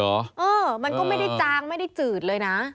เออมันก็ไม่ได้จางไม่ได้จืดเลยนะ